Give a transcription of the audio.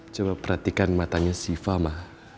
coba perhatikan matanya shiva ma